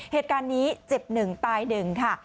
เหตุการณ์นี้เจ็บ๑ตาย๑ค่ะ